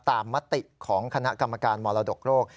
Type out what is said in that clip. มติของคณะกรรมการมรดกโรค